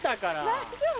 大丈夫？